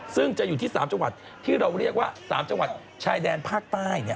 ซึ่งจะอยู่ที่๓จังหวัดที่เราเรียกว่า๓จังหวัดชายแดนภาคใต้